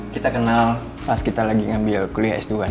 kita kenal pas kita lagi ngambil kuliah s dua